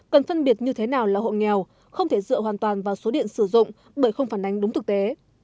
cần phân biệt như thế nào là hộ nghèo không thể dựa hoàn toàn vào số điện sử dụng bởi không phản ánh đúng thực tế